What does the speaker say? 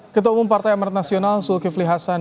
ketua umum partai amat nasional sulki flih hasan